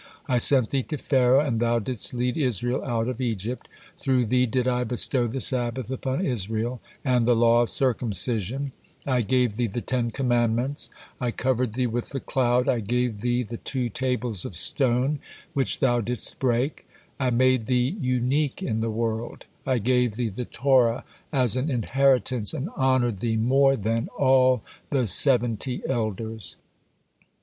I sent thee to Pharaoh, and thou didst lead Israel out of Egypt; through thee did I bestow the Sabbath upon Israel, and the law of circumcision; I gave thee the Ten Commandments, I covered thee with the cloud, I gave thee the two tables of stone, which thou didst break; I made thee unique in the world; I gave thee the Torah as an inheritance, and honored thee more than all the seventy elders."